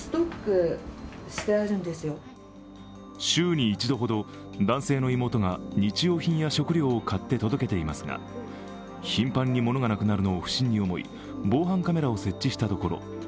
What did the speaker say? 週に１度ほど、男性の妹が日用品や食料を買って届けていますが頻繁にものがなくなるのを不審に思い防犯カメラを設置したところ